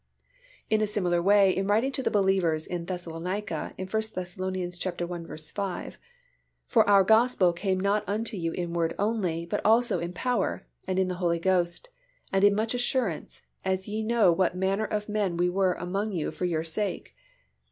In a similar way in writing to the believers in Thessalonica in 1 Thess. i. 5, "For our Gospel came not unto you in word only, but also in power, and in the Holy Ghost, and in much assurance; as ye know what manner of men we were among you for your sake."